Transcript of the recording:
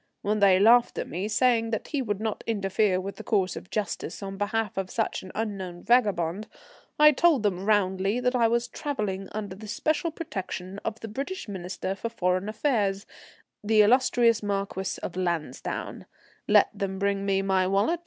When they laughed at me, saying that he would not interfere with the course of justice on behalf of such an unknown vagabond, I told them roundly that I was travelling under the special protection of the British Minister for Foreign Affairs, the illustrious Marquis of Lansdowne. Let them bring me my wallet.